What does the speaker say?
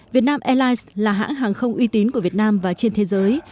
việt nam airlines là hãng hàng không uy tín của việt nam và trên thế giới